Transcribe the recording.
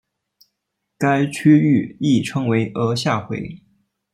该区域亦称为额下回。